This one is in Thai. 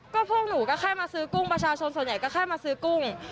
ก็พวกหนูก็แค่มาซื้อกุ้งประชาชนส่วนใหญ่ก็แค่มาซื้อกุ้ง